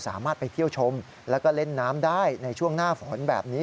สามารถไปเที่ยวชมแล้วก็เล่นน้ำได้ในช่วงหน้าฝนแบบนี้